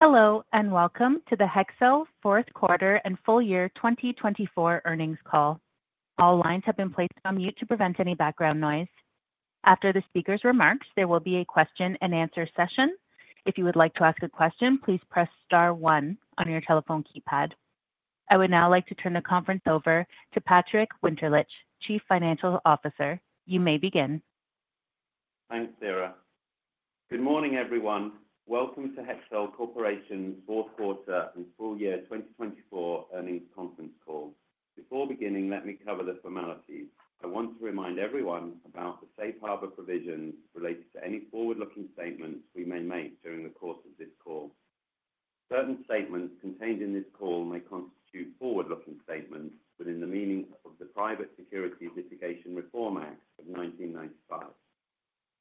Hello, and welcome to the Hexcel Fourth Quarter and Full Year 2024 Earnings Call. All lines have been placed on mute to prevent any background noise. After the speaker's remarks, there will be a question-and-answer session. If you would like to ask a question, please press star one on your telephone keypad. I would now like to turn the conference over to Patrick Winterlich, Chief Financial Officer. You may begin. Thanks, Sarah. Good morning, everyone. Welcome to Hexcel Corporation's Fourth Quarter and Full Year 2024 Earnings Conference Call. Before beginning, let me cover the formalities. I want to remind everyone about the safe harbor provisions related to any forward-looking statements we may make during the course of this call. Certain statements contained in this call may constitute forward-looking statements within the meaning of the Private Securities Litigation Reform Act of 1995.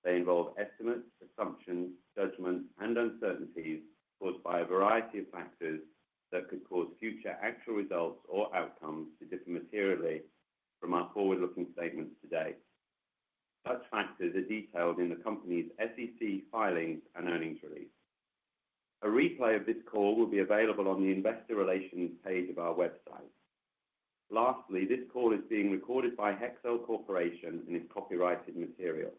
They involve estimates, assumptions, judgments, and uncertainties caused by a variety of factors that could cause future actual results or outcomes to differ materially from our forward-looking statements to date. Such factors are detailed in the company's SEC filings and earnings release. A replay of this call will be available on the investor relations page of our website. Lastly, this call is being recorded by Hexcel Corporation and is copyrighted material.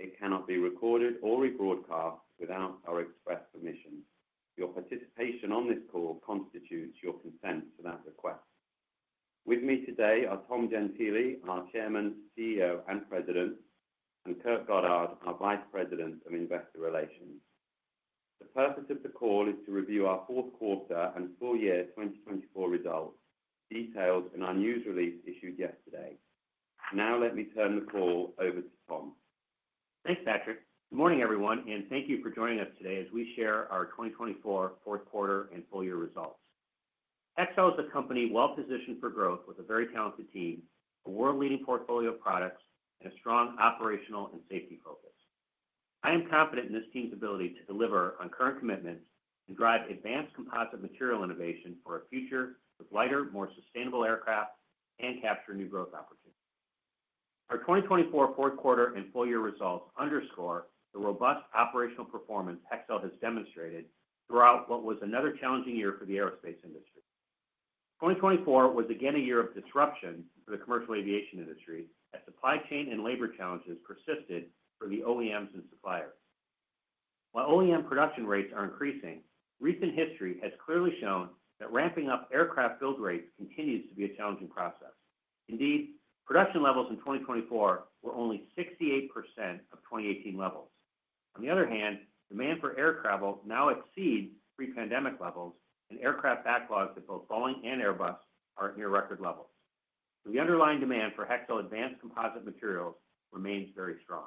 It cannot be recorded or rebroadcast without our express permission. Your participation on this call constitutes your consent for that request. With me today are Tom Gentile, our Chairman, CEO, and President, and Kurt Goddard, our Vice President of Investor Relations. The purpose of the call is to review our fourth quarter and full year 2024 results detailed in our news release issued yesterday. Now, let me turn the call over to Tom. Thanks, Patrick. Good morning, everyone, and thank you for joining us today as we share our 2024 fourth quarter and full year results. Hexcel is a company well-positioned for growth with a very talented team, a world-leading portfolio of products, and a strong operational and safety focus. I am confident in this team's ability to deliver on current commitments and drive advanced composite material innovation for a future with lighter, more sustainable aircraft and capture new growth opportunities. Our 2024 fourth quarter and full year results underscore the robust operational performance Hexcel has demonstrated throughout what was another challenging year for the aerospace industry. 2024 was again a year of disruption for the commercial aviation industry as supply chain and labor challenges persisted for the OEMs and suppliers. While OEM production rates are increasing, recent history has clearly shown that ramping up aircraft build rates continues to be a challenging process. Indeed, production levels in 2024 were only 68% of 2018 levels. On the other hand, demand for air travel now exceeds pre-pandemic levels, and aircraft backlogs at both Boeing and Airbus are at near-record levels. The underlying demand for Hexcel advanced composite materials remains very strong.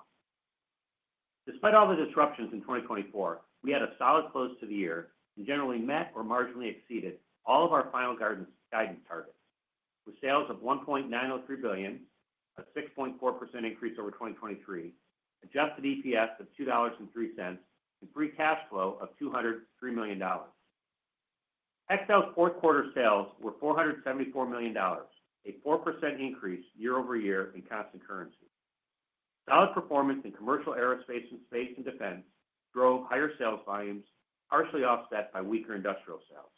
Despite all the disruptions in 2024, we had a solid close to the year and generally met or marginally exceeded all of our final guidance targets, with sales of $1.903 billion, a 6.4% increase over 2023, adjusted EPS of $2.03, and free cash flow of $203 million. Hexcel's fourth quarter sales were $474 million, a 4% increase year over year in constant currency. Solid performance in commercial aerospace and space and defense drove higher sales volumes, partially offset by weaker industrial sales.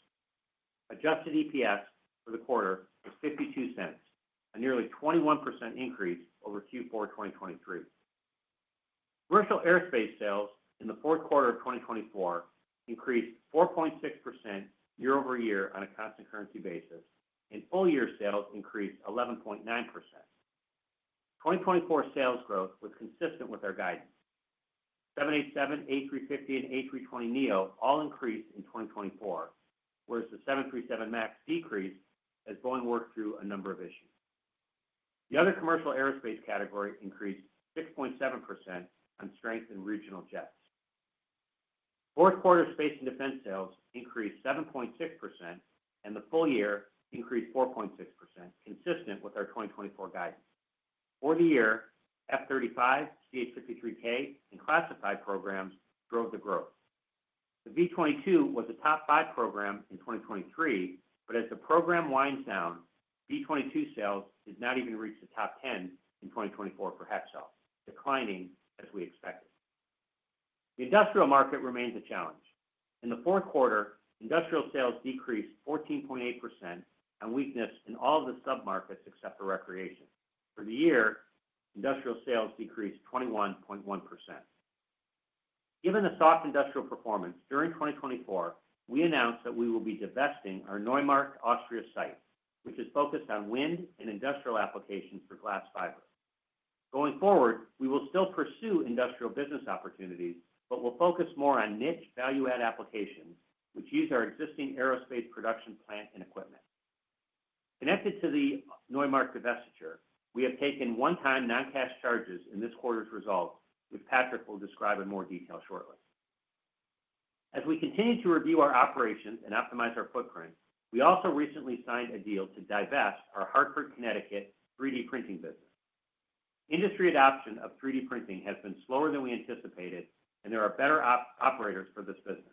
Adjusted EPS for the quarter was $0.52, a nearly 21% increase over Q4 2023. Commercial aerospace sales in the fourth quarter of 2024 increased 4.6% year over year on a constant currency basis, and full year sales increased 11.9%. 2024 sales growth was consistent with our guidance. 787, A350, and A320neo all increased in 2024, whereas the 737 MAX decreased as Boeing worked through a number of issues. The other commercial aerospace category increased 6.7% on strength in regional jets. Fourth quarter space and defense sales increased 7.6%, and the full year increased 4.6%, consistent with our 2024 guidance. For the year, F-35, CH-53K, and classified programs drove the growth. The V-22 was a top five program in 2023, but as the program winds down, V-22 sales did not even reach the top 10 in 2024 for Hexcel, declining as we expected. The industrial market remains a challenge. In the fourth quarter, industrial sales decreased 14.8% and weakness in all of the sub-markets except for recreation. For the year, industrial sales decreased 21.1%. Given the soft industrial performance during 2024, we announced that we will be divesting our Neumarkt, Austria site, which is focused on wind and industrial applications for glass fibers. Going forward, we will still pursue industrial business opportunities, but we'll focus more on niche value-add applications, which use our existing aerospace production plant and equipment. Connected to the Neumarkt divestiture, we have taken one-time non-cash charges in this quarter's results, which Patrick will describe in more detail shortly. As we continue to review our operations and optimize our footprint, we also recently signed a deal to divest our Hartford, Connecticut 3D printing business. Industry adoption of 3D printing has been slower than we anticipated, and there are better operators for this business.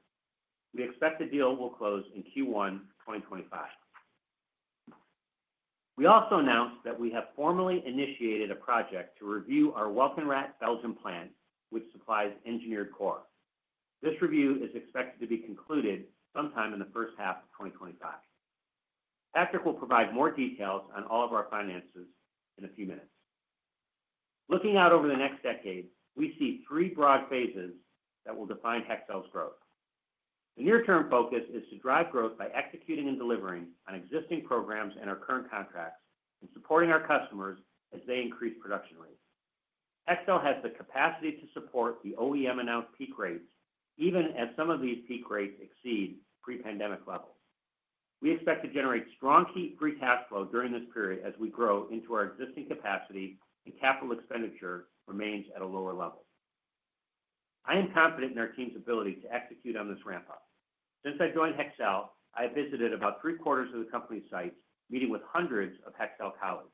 We expect the deal will close in Q1 2025. We also announced that we have formally initiated a project to review our Welkenraedt Belgium plant, which supplies Engineered Core. This review is expected to be concluded sometime in the first half of 2025. Patrick will provide more details on all of our finances in a few minutes. Looking out over the next decade, we see three broad phases that will define Hexcel's growth. The near-term focus is to drive growth by executing and delivering on existing programs and our current contracts and supporting our customers as they increase production rates. Hexcel has the capacity to support the OEM-announced peak rates, even as some of these peak rates exceed pre-pandemic levels. We expect to generate strong free cash flow during this period as we grow into our existing capacity and capital expenditure remains at a lower level. I am confident in our team's ability to execute on this ramp-up. Since I joined Hexcel, I have visited about three quarters of the company's sites, meeting with hundreds of Hexcel colleagues.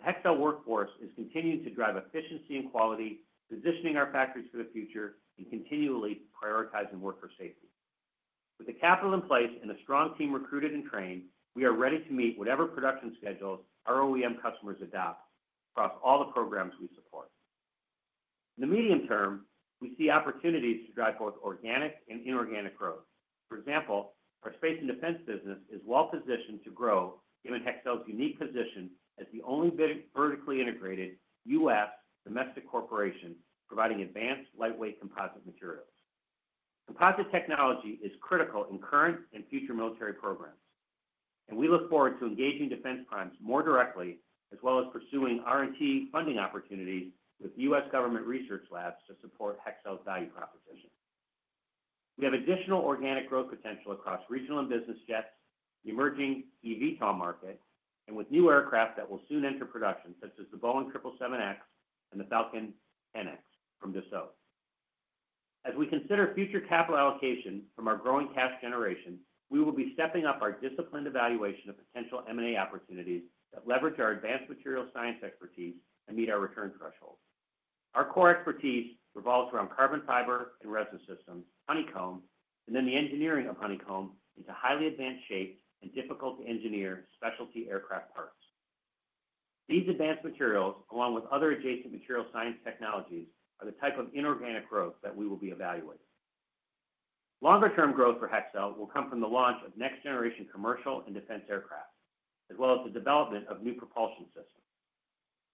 The Hexcel workforce is continuing to drive efficiency and quality, positioning our factories for the future, and continually prioritizing worker safety. With the capital in place and a strong team recruited and trained, we are ready to meet whatever production schedules our OEM customers adopt across all the programs we support. In the medium term, we see opportunities to drive both organic and inorganic growth. For example, our space and defense business is well-positioned to grow given Hexcel's unique position as the only vertically integrated U.S. domestic corporation providing advanced lightweight composite materials. Composite technology is critical in current and future military programs, and we look forward to engaging defense primes more directly, as well as pursuing R&D funding opportunities with U.S. government research labs to support Hexcel's value proposition. We have additional organic growth potential across regional and business jets, the emerging eVTOL market, and with new aircraft that will soon enter production, such as the Boeing 777X and the Falcon 10X from Dassault. As we consider future capital allocation from our growing cash generation, we will be stepping up our disciplined evaluation of potential M&A opportunities that leverage our advanced materials science expertise and meet our return thresholds. Our core expertise revolves around carbon fiber and resin systems, honeycomb, and then the engineering of honeycomb into highly advanced shaped and difficult-to-engineer specialty aircraft parts. These advanced materials, along with other adjacent materials science technologies, are the type of inorganic growth that we will be evaluating. Longer-term growth for Hexcel will come from the launch of next-generation commercial and defense aircraft, as well as the development of new propulsion systems.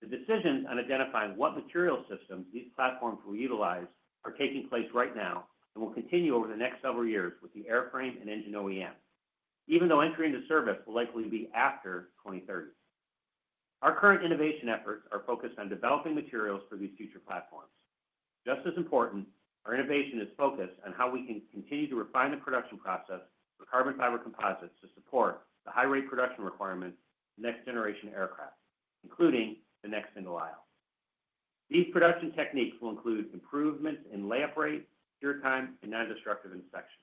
The decisions on identifying what material systems these platforms will utilize are taking place right now and will continue over the next several years with the airframe and engine OEM, even though entry into service will likely be after 2030. Our current innovation efforts are focused on developing materials for these future platforms. Just as important, our innovation is focused on how we can continue to refine the production process for carbon fiber composites to support the high-rate production requirements of next-generation aircraft, including the next single aisle. These production techniques will include improvements in layup rate, cure time, and non-destructive inspection.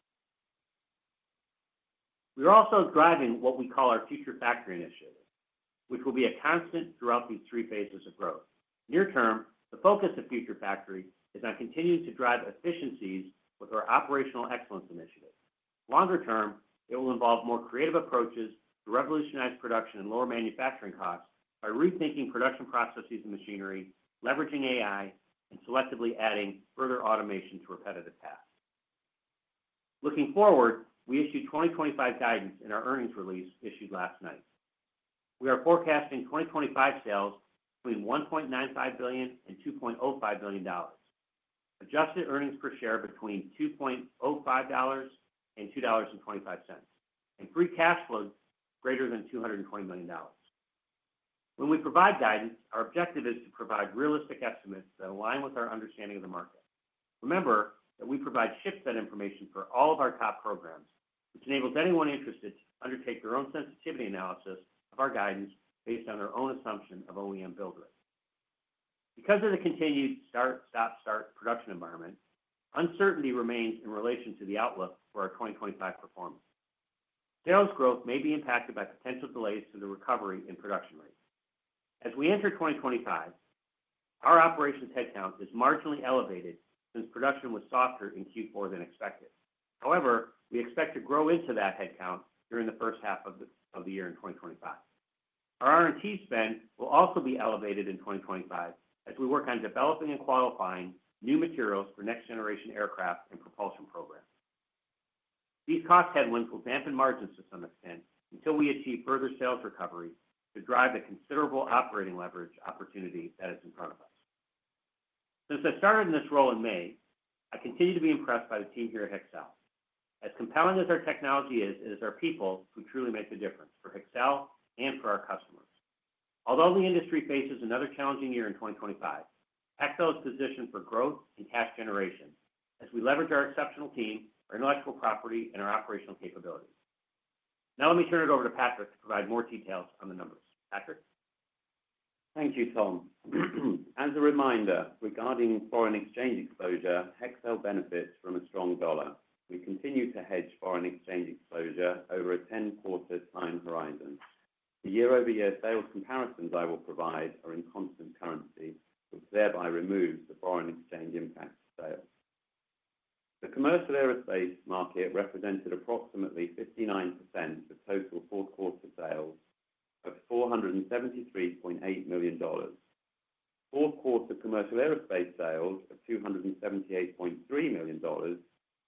We are also driving what we call our Future Factory initiative, which will be a constant throughout these three phases of growth. Near term, the focus of Future Factory is on continuing to drive efficiencies with our operational excellence initiative. Longer term, it will involve more creative approaches to revolutionize production and lower manufacturing costs by rethinking production processes and machinery, leveraging AI, and selectively adding further automation to repetitive tasks. Looking forward, we issued 2025 guidance in our earnings release issued last night. We are forecasting 2025 sales between $1.95 billion and $2.05 billion, adjusted earnings per share between $2.05 and $2.25, and free cash flow greater than $220 million. When we provide guidance, our objective is to provide realistic estimates that align with our understanding of the market. Remember that we provide shipset information for all of our top programs, which enables anyone interested to undertake their own sensitivity analysis of our guidance based on their own assumption of OEM build rates. Because of the continued start-stop production environment, uncertainty remains in relation to the outlook for our 2025 performance. Sales growth may be impacted by potential delays to the recovery in production rates. As we enter 2025, our operations headcount is marginally elevated since production was softer in Q4 than expected. However, we expect to grow into that headcount during the first half of the year in 2025. Our R&D spend will also be elevated in 2025 as we work on developing and qualifying new materials for next-generation aircraft and propulsion programs. These cost headwinds will dampen margins to some extent until we achieve further sales recovery to drive the considerable operating leverage opportunity that is in front of us. Since I started in this role in May, I continue to be impressed by the team here at Hexcel. As compelling as our technology is, it is our people who truly make the difference for Hexcel and for our customers. Although the industry faces another challenging year in 2025, Hexcel is positioned for growth and cash generation as we leverage our exceptional team, our intellectual property, and our operational capabilities. Now, let me turn it over to Patrick to provide more details on the numbers. Patrick? Thank you, Tom. As a reminder, regarding foreign exchange exposure, Hexcel benefits from a strong dollar. We continue to hedge foreign exchange exposure over a 10-quarter time horizon. The year-over-year sales comparisons I will provide are in constant currency, which thereby removes the foreign exchange impact to sales. The commercial aerospace market represented approximately 59% of total fourth quarter sales of $473.8 million. Fourth quarter commercial aerospace sales of $278.3 million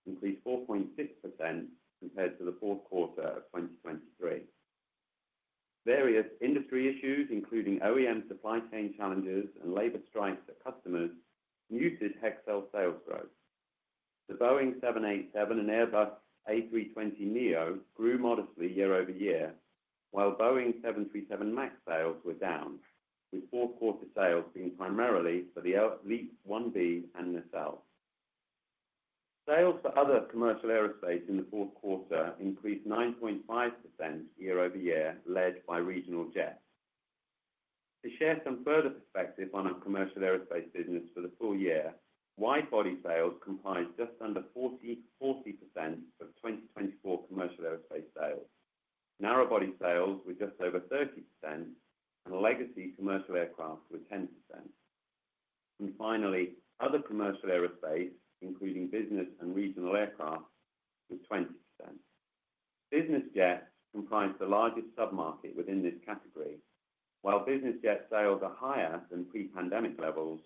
increased 4.6% compared to the fourth quarter of 2023. Various industry issues, including OEM supply chain challenges and labor strikes at customers, muted Hexcel sales growth. The Boeing 787 and Airbus A320neo grew modestly year over year, while Boeing 737 MAX sales were down, with fourth quarter sales being primarily for the LEAP-1B and nacelle. Sales for other commercial aerospace in the fourth quarter increased 9.5% year over year, led by regional jets. To share some further perspective on our commercial aerospace business for the full year, wide body sales comprised just under 40% of 2024 commercial aerospace sales. Narrow body sales were just over 30%, and legacy commercial aircraft were 10%. And finally, other commercial aerospace, including business and regional aircraft, were 20%. Business jets comprise the largest sub-market within this category. While business jet sales are higher than pre-pandemic levels,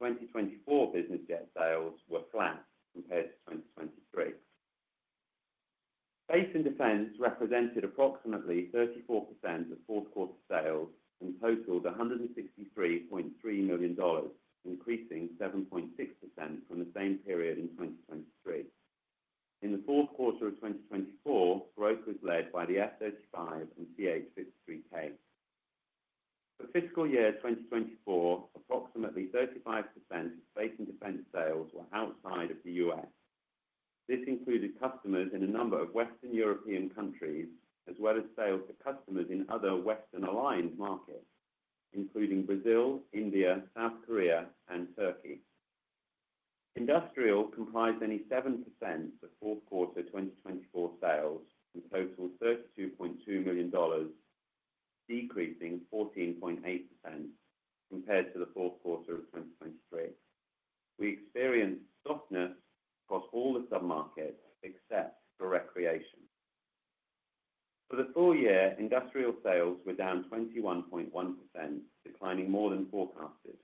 2024 business jet sales were flat compared to 2023. Space and defense represented approximately 34% of fourth quarter sales and totaled $163.3 million, increasing 7.6% from the same period in 2023. In the fourth quarter of 2024, growth was led by the F-35 and CH-53K. For fiscal year 2024, approximately 35% of space and defense sales were outside of the U.S. This included customers in a number of Western European countries, as well as sales to customers in other Western-aligned markets, including Brazil, India, South Korea, and Turkey. Industrial comprised 7% of fourth quarter 2024 sales and totaled $32.2 million, decreasing 14.8% compared to the fourth quarter of 2023. We experienced softness across all the sub-markets except for recreation. For the full year, industrial sales were down 21.1%, declining more than forecasted.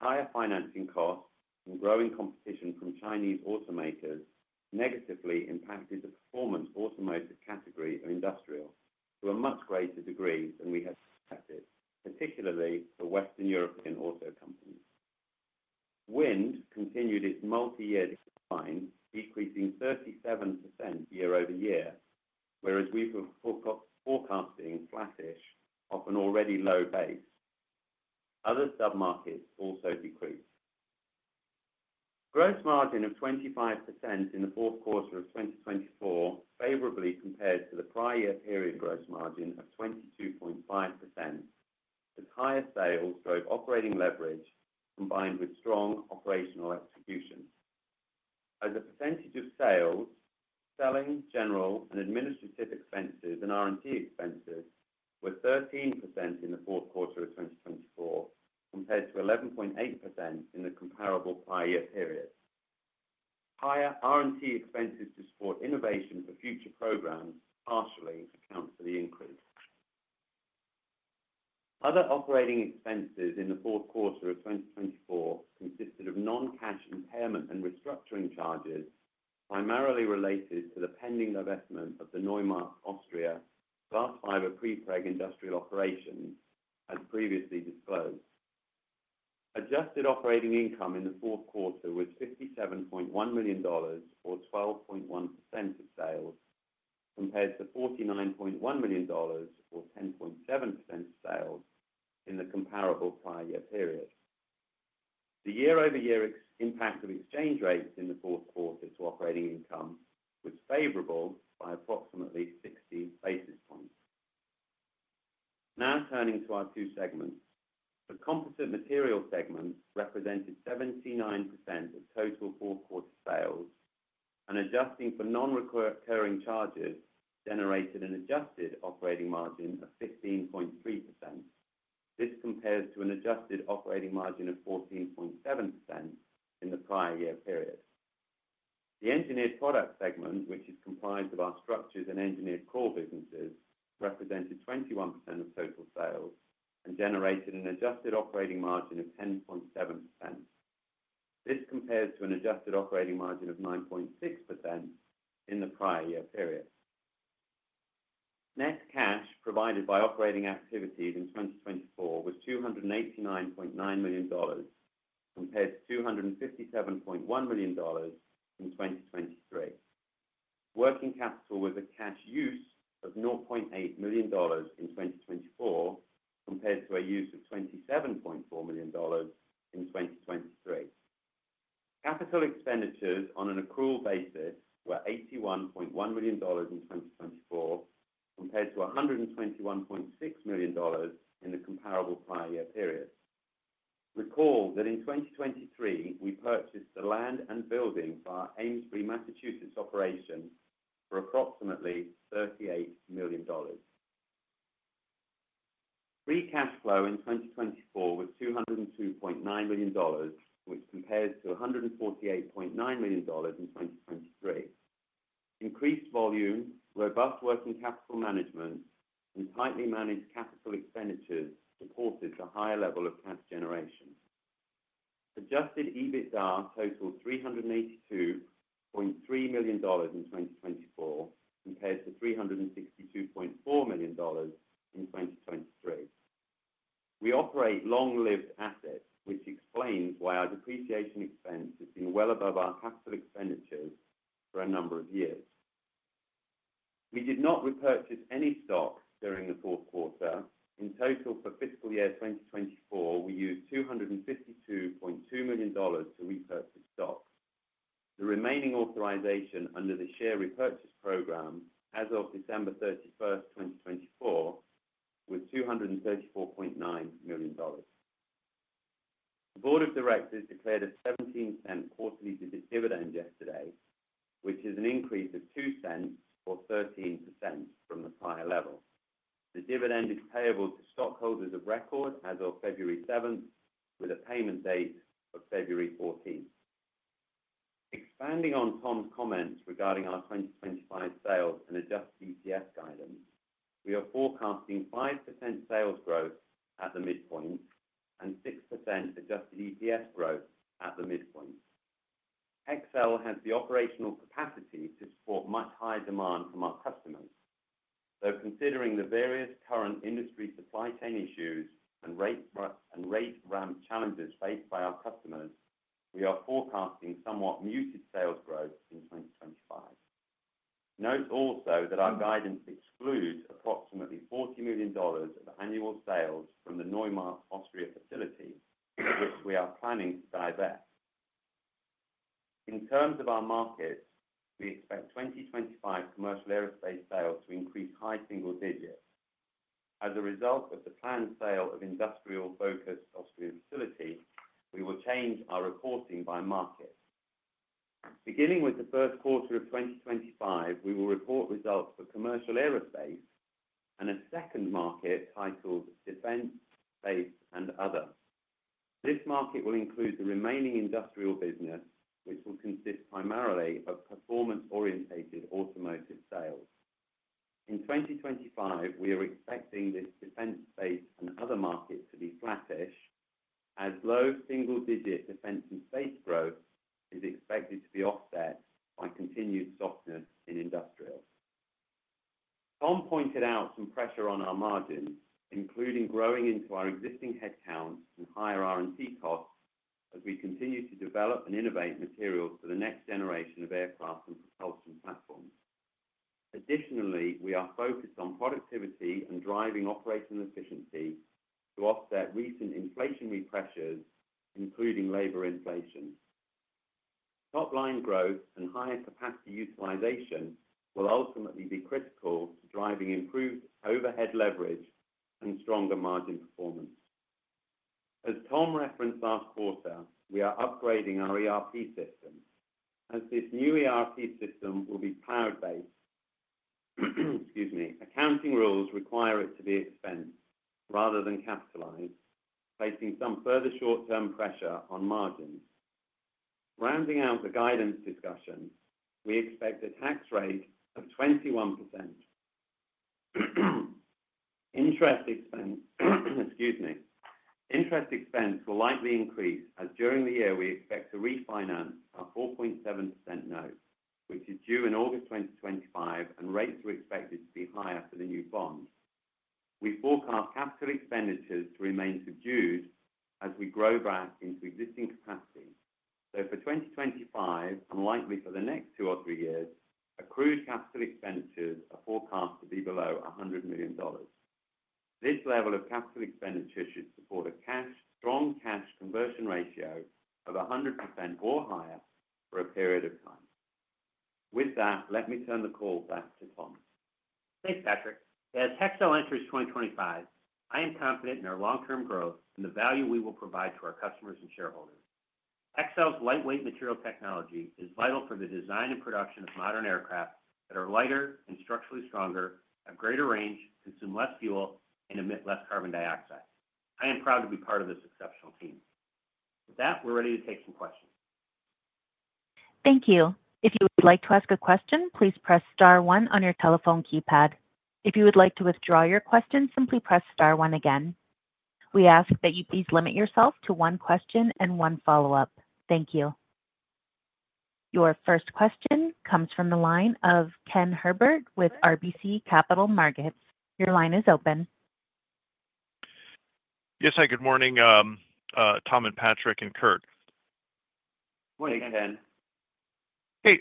Higher financing costs and growing competition from Chinese automakers negatively impacted the performance automotive category of industrial to a much greater degree than we had expected, particularly for Western European auto companies. Wind continued its multi-year decline, decreasing 37% year over year, whereas we were forecasting flattish off an already low base. Other sub-markets also decreased. Gross margin of 25% in the fourth quarter of 2024 favorably compared to the prior year period gross margin of 22.5%, as higher sales drove operating leverage combined with strong operational execution. As a percentage of sales, selling, general, and administrative expenses and R&D expenses were 13% in the fourth quarter of 2024 compared to 11.8% in the comparable prior year period. Higher R&D expenses to support innovation for future programs partially accounts for the increase. Other operating expenses in the fourth quarter of 2024 consisted of non-cash impairment and restructuring charges, primarily related to the pending divestment of the Neumarkt Austria glass fiber prepreg industrial operations, as previously disclosed. Adjusted operating income in the fourth quarter was $57.1 million, or 12.1% of sales, compared to $49.1 million, or 10.7% of sales, in the comparable prior year period. The year-over-year impact of exchange rates in the fourth quarter to operating income was favorable by approximately 60 basis points. Now turning to our two segments, the Composite Materials segment represented 79% of total fourth quarter sales, and adjusting for non-recurring charges generated an adjusted operating margin of 15.3%. This compares to an adjusted operating margin of 14.7% in the prior year period. The Engineered Products segment, which is comprised of our Structures and Engineered Core businesses, represented 21% of total sales and generated an adjusted operating margin of 10.7%. This compares to an adjusted operating margin of 9.6% in the prior year period. Net cash provided by operating activities in 2024 was $289.9 million, compared to $257.1 million in 2023. Working capital was a cash use of $0.8 million in 2024, compared to a use of $27.4 million in 2023. Capital expenditures on an accrual basis were $81.1 million in 2024, compared to $121.6 million in the comparable prior year period. Recall that in 2023, we purchased the land and building for our Amesbury, Massachusetts operation for approximately $38 million. Free cash flow in 2024 was $202.9 million, which compares to $148.9 million in 2023. Increased volume, robust working capital management, and tightly managed capital expenditures supported the higher level of cash generation. Adjusted EBITDA totaled $382.3 million in 2024, compared to $362.4 million in 2023. We operate long-lived assets, which explains why our depreciation expense has been well above our capital expenditures for a number of years. We did not repurchase any stocks during the fourth quarter. In total, for fiscal year 2024, we used $252.2 million to repurchase stocks. The remaining authorization under the share repurchase program as of December 31st, 2024, was $234.9 million. The board of directors declared a 17% quarterly dividend yesterday, which is an increase of 2 cents, or 13%, from the prior level. The dividend is payable to stockholders of record as of February 7th, with a payment date of February 14th. Expanding on Tom's comments regarding our 2025 sales and adjusted EPS guidance, we are forecasting 5% sales growth at the midpoint and 6% adjusted EPS growth at the midpoint. Hexcel has the operational capacity to support much higher demand from our customers. Though considering the various current industry supply chain issues and rate ramp challenges faced by our customers, we are forecasting somewhat muted sales growth in 2025. Note also that our guidance excludes approximately $40 million of annual sales from the Neumarkt Austria facility, which we are planning to divest. In terms of our markets, we expect 2025 commercial aerospace sales to increase high single digits. As a result of the planned sale of industrial-focused Austria facility, we will change our reporting by market. Beginning with the first quarter of 2025, we will report results for commercial aerospace and a second market titled Defense, Space, and Other. This market will include the remaining industrial business, which will consist primarily of performance-oriented automotive sales. In 2025, we are expecting this Defense, Space, and Other market to be flattish, as low single-digit defense and space growth is expected to be offset by continued softness in industrial. Tom pointed out some pressure on our margins, including growing into our existing headcount and higher R&D costs as we continue to develop and innovate materials for the next generation of aircraft and propulsion platforms. Additionally, we are focused on productivity and driving operational efficiency to offset recent inflationary pressures, including labor inflation. Top-line growth and higher capacity utilization will ultimately be critical to driving improved overhead leverage and stronger margin performance. As Tom referenced last quarter, we are upgrading our ERP system. As this new ERP system will be cloud-based, excuse me, accounting rules require it to be expensed rather than capitalized, placing some further short-term pressure on margins. Rounding out the guidance discussion, we expect a tax rate of 21%. Interest expense, excuse me, interest expense will likely increase, as during the year we expect to refinance our 4.7% note, which is due in August 2025, and rates are expected to be higher for the new bond. We forecast capital expenditures to remain subdued as we grow back into existing capacity, so for 2025, and likely for the next two or three years, our capital expenditures are forecast to be below $100 million. This level of capital expenditure should support a strong cash conversion ratio of 100% or higher for a period of time. With that, let me turn the call back to Tom. Thanks, Patrick. As Hexcel enters 2025, I am confident in our long-term growth and the value we will provide to our customers and shareholders. Hexcel's lightweight material technology is vital for the design and production of modern aircraft that are lighter and structurally stronger, have greater range, consume less fuel, and emit less carbon dioxide. I am proud to be part of this exceptional team. With that, we're ready to take some questions. Thank you. If you would like to ask a question, please press star one on your telephone keypad. If you would like to withdraw your question, simply press star one again. We ask that you please limit yourself to one question and one follow-up. Thank you. Your first question comes from the line of Ken Herbert with RBC Capital Markets. Your line is open. Yes, hi. Good morning, Tom and Patrick and Kurt. Morning, Ken. Hey,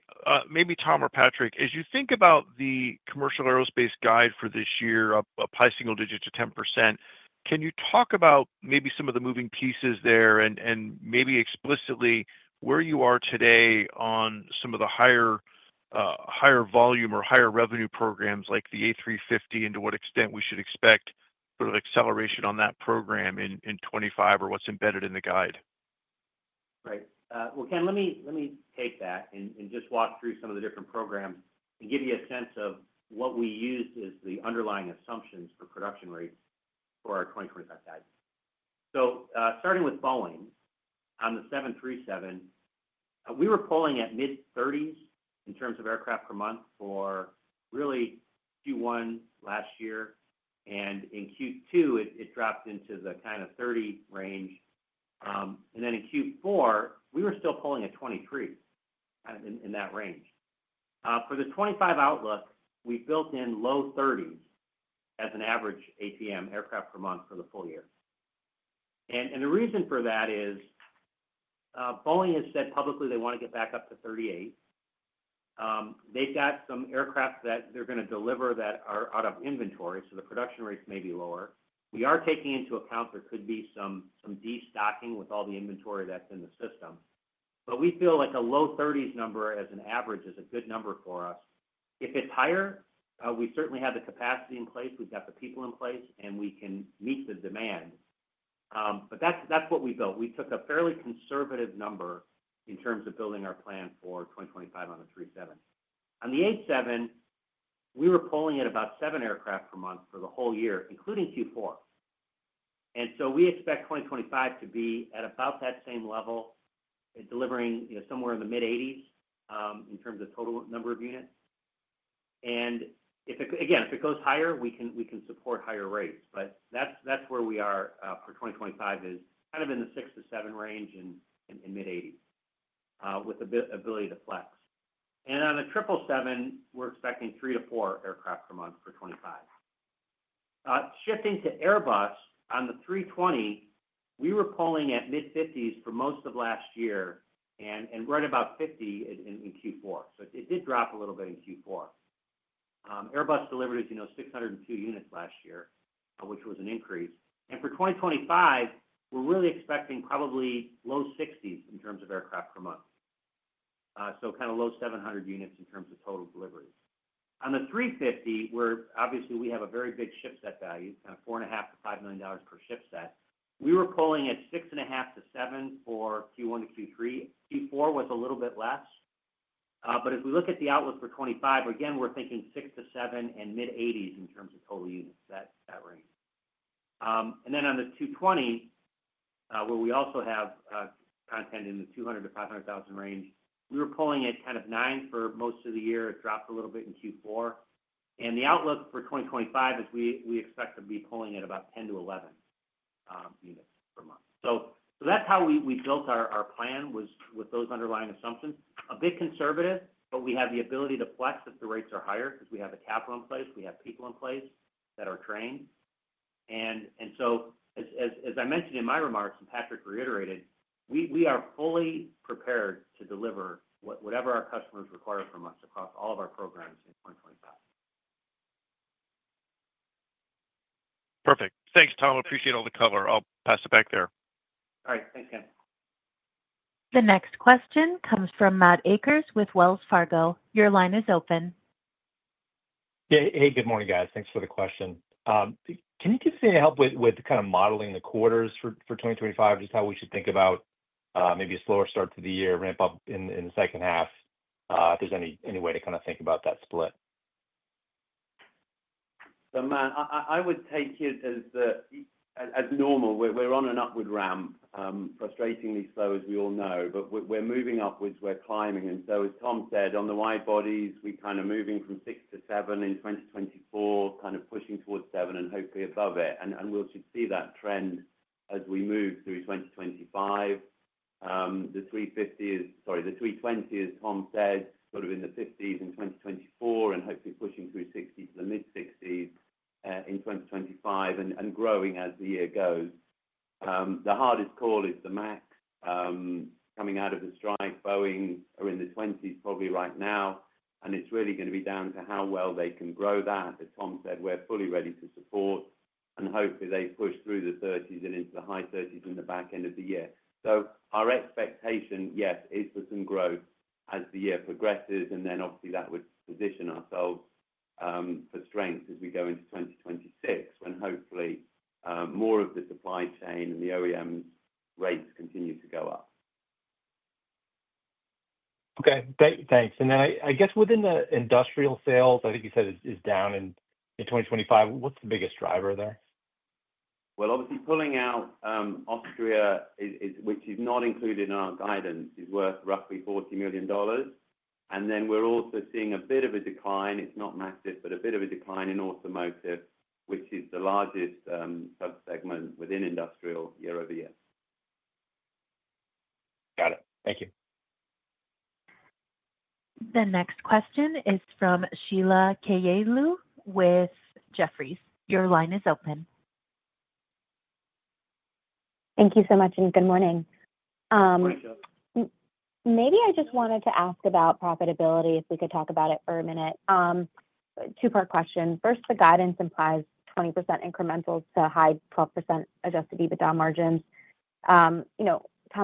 maybe Tom or Patrick. As you think about the commercial aerospace guidance for this year, a high single digit to 10%, can you talk about maybe some of the moving pieces there and maybe explicitly where you are today on some of the higher volume or higher revenue programs like the A350, and to what extent we should expect sort of acceleration on that program in 2025 or what's embedded in the guide? Right. Well, Ken, let me take that and just walk through some of the different programs and give you a sense of what we used as the underlying assumptions for production rates for our 2025 guide. So, starting with Boeing on the 737, we were pulling at mid-30s in terms of aircraft per month for really Q1 last year. And in Q2, it dropped into the kind of 30 range. And then in Q4, we were still pulling at 23 in that range. For the 2025 outlook, we built in low 30s as an average APM aircraft per month for the full year. And the reason for that is Boeing has said publicly they want to get back up to 38. They've got some aircraft that they're going to deliver that are out of inventory, so the production rates may be lower. We are taking into account there could be some destocking with all the inventory that's in the system. But we feel like a low 30s number as an average is a good number for us. If it's higher, we certainly have the capacity in place, we've got the people in place, and we can meet the demand. But that's what we built. We took a fairly conservative number in terms of building our plan for 2025 on the 737. On the 787, we were pulling at about seven aircraft per month for the whole year, including Q4. And so we expect 2025 to be at about that same level, delivering somewhere in the mid-80s in terms of total number of units. And again, if it goes higher, we can support higher rates. But that's where we are for 2025, is kind of in the six to seven range and mid-80s with the ability to flex. And on the 777, we're expecting three to four aircraft per month for 2025. Shifting to Airbus, on the 320, we were pulling at mid-50s for most of last year and right about 50 in Q4, so it did drop a little bit in Q4. Airbus delivered, as you know, 602 units last year, which was an increase, and for 2025, we're really expecting probably low 60s in terms of aircraft per month. So kind of low 700 units in terms of total deliveries. On the 350, where obviously we have a very big shipset value, kind of $4.5 million-$5 million per shipset, we were pulling at six and a half to seven for Q1 to Q3. Q4 was a little bit less, but if we look at the outlook for 2025, again, we're thinking six to seven and mid-80s in terms of total units, that range. Then on the 220, where we also have content in the $200,000-$500,000 range, we were pulling at kind of nine for most of the year. It dropped a little bit in Q4. The outlook for 2025 is we expect to be pulling at about 10 to 11 units per month. That's how we built our plan with those underlying assumptions. A bit conservative, but we have the ability to flex if the rates are higher because we have capacity in place, we have people in place that are trained. As I mentioned in my remarks and Patrick reiterated, we are fully prepared to deliver whatever our customers require from us across all of our programs in 2025. Perfect. Thanks, Tom. Appreciate all the color. I'll pass it back there. All right. Thanks, Ken. The next question comes from Matt Akers with Wells Fargo. Your line is open. Hey, good morning, guys. Thanks for the question. Can you give me any help with kind of modeling the quarters for 2025, just how we should think about maybe a slower start to the year, ramp up in the second half, if there's any way to kind of think about that split? So Matt, I would take it as normal. We're on an upward ramp, frustratingly slow as we all know, but we're moving upwards, we're climbing. And so as Tom said, on the wide bodies, we're kind of moving from six to seven in 2024, kind of pushing towards seven and hopefully above it. And we'll see that trend as we move through 2025. The 350 is, sorry, the 320, as Tom said, sort of in the 50s in 2024 and hopefully pushing through 60 to the mid-60s in 2025 and growing as the year goes. The hardest call is the max coming out of the strike. Boeing are in the 20s probably right now, and it's really going to be down to how well they can grow that. As Tom said, we're fully ready to support, and hopefully they push through the 30s and into the high 30s in the back end of the year. So our expectation, yes, is for some growth as the year progresses, and then obviously that would position ourselves for strength as we go into 2026 when hopefully more of the supply chain and the OEMs' rates continue to go up. Okay. Thanks. And then I guess within the industrial sales, I think you said is down in 2025. What's the biggest driver there? Well, obviously pulling out Austria, which is not included in our guidance, is worth roughly $40 million. And then we're also seeing a bit of a decline. It's not massive, but a bit of a decline in automotive, which is the largest subsegment within industrial year over year. Got it. Thank you. The next question is from Sheila Kahyaoglu with Jefferies. Your line is open. Thank you so much, and good morning. Pleasure. Maybe I just wanted to ask about profitability if we could talk about it for a minute. Two-part question. First, the guidance implies 20% incrementals to high 12% adjusted EBITDA margins. Tom,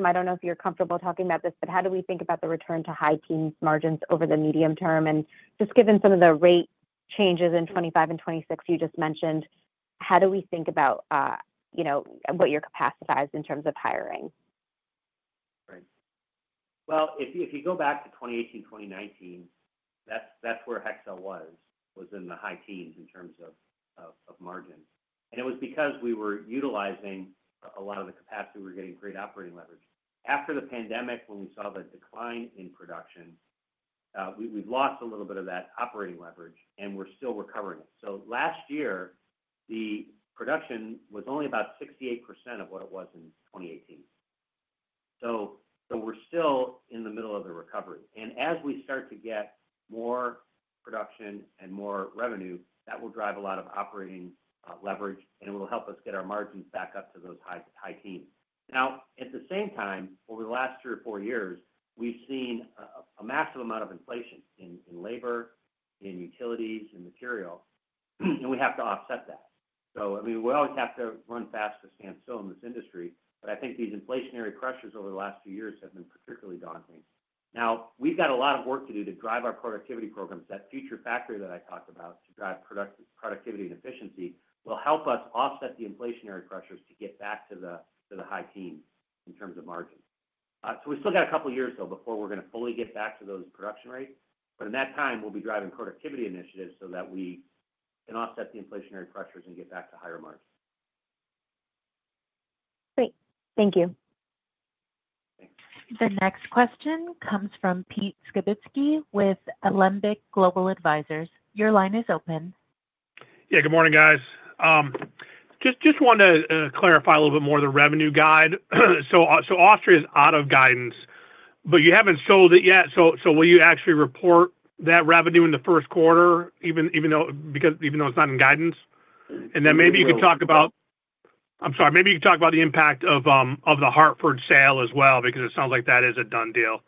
I don't know if you're comfortable talking about this, but how do we think about the return to high teens' margins over the medium term? And just given some of the rate changes in 2025 and 2026 you just mentioned, how do we think about what your capacity is in terms of hiring? Right. Well, if you go back to 2018, 2019, that's where Hexcel was in the high teens in terms of margins. And it was because we were utilizing a lot of the capacity we were getting for operating leverage. After the pandemic, when we saw the decline in production, we've lost a little bit of that operating leverage, and we're still recovering it. So last year, the production was only about 68% of what it was in 2018. So we're still in the middle of the recovery. And as we start to get more production and more revenue, that will drive a lot of operating leverage, and it will help us get our margins back up to those high teens. Now, at the same time, over the last three or four years, we've seen a massive amount of inflation in labor, in utilities, in material, and we have to offset that. So I mean, we always have to run fast just to stand still in this industry, but I think these inflationary pressures over the last few years have been particularly daunting. Now, we've got a lot of work to do to drive our productivity programs. That Future Factory that I talked about to drive productivity and efficiency will help us offset the inflationary pressures to get back to the high teens in terms of margins. So we still got a couple of years, though, before we're going to fully get back to those production rates. But in that time, we'll be driving productivity initiatives so that we can offset the inflationary pressures and get back to higher margins. Great. Thank you. The next question comes from Pete Skibitski with Alembic Global Advisors. Your line is open. \ Yeah. Good morning, guys. Just wanted to clarify a little bit more of the revenue guide. So Austria is out of guidance, but you haven't sold it yet. So will you actually report that revenue in the first quarter, even though it's not in guidance? And then maybe you could talk about. I'm sorry. Maybe you could talk about the impact of the Hartford sale as well because it sounds like that is a done deal.